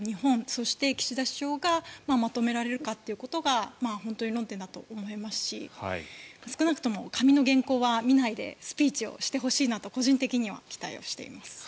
そして、岸田首相がまとめられるかということが本当に論点だと思いますし少なくとも紙の原稿は見ないでスピーチをしてほしいなと個人的には期待しています。